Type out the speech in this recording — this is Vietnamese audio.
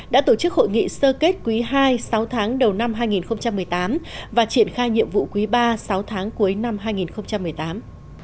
đã tổ chức hội nghị sơ kết quý ii sáu tháng đầu năm hai nghìn một mươi tám và triển khai nhiệm vụ quý ba sáu tháng cuối năm hai nghìn một mươi tám